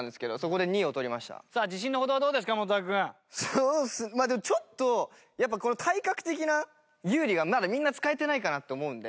そうっすまあでもちょっとやっぱこの体格的な有利がまだみんな使えてないかなと思うんで。